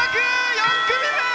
４組目！